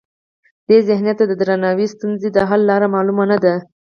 دې ذهنیت ته د دروني ستونزو د حل لاره معلومه نه ده.